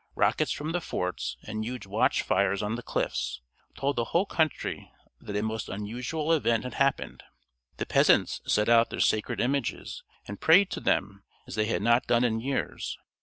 Rockets from the forts, and huge watch fires on the cliffs, told the whole country that a most unusual event had happened. The peasants set out their sacred images, and prayed to them as they had not done in years.